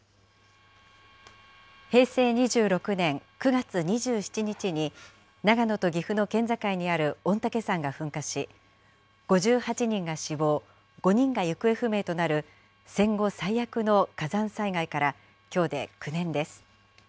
平成２６年９月２７日に、長野と岐阜の県境にある御嶽山が噴火し、５８人が死亡、５人が行方不明となる戦後最悪の火山災害からきょうで９年です。